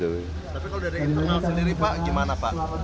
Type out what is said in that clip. tapi kalau dari internal sendiri pak gimana pak